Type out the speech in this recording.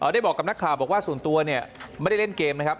ได้บอกกับนักข่าวบอกว่าส่วนตัวเนี่ยไม่ได้เล่นเกมนะครับ